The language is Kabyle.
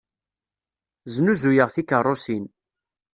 Znuzuyeɣ tikeṛṛusin.